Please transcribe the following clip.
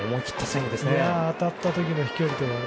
当たった時の飛距離が。